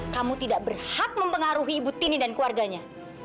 kamu tidak berhak mempengaruhi butini dan keluarganya